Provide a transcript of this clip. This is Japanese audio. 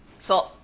そう。